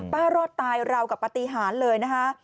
ป้ารอดตายเรากับปฏิหารเลยนะฮะ